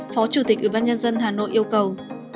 phó chủ tịch ubnd hà nội yêu cầu